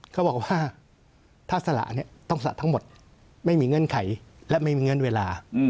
เขาบอกว่าถ้าสละเนี่ยต้องสละทั้งหมดไม่มีเงื่อนไขและไม่มีเงื่อนเวลา